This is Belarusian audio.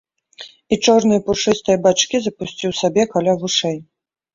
І чорныя пушыстыя бачкі запусціў сабе каля вушэй.